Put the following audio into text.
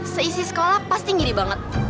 seisi sekolah pasti ngiri banget